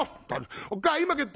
おっかあ今帰った」。